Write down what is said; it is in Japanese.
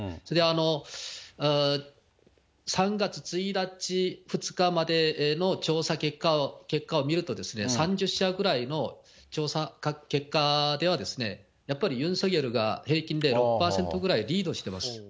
それで、３月１日、２日までの調査結果を見るとですね、３０社ぐらいの調査結果では、やっぱりユン・ソギョルが平均で６％ぐらいリードしてます。